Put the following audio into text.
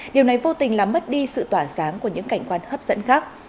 điều này vô tình làm mất đi sự tỏa sáng của những cảnh quan hấp dẫn khác